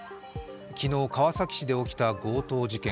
昨日、川崎市で起きた強盗事件。